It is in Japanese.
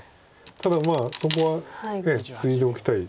だからそこはツイでおきたい。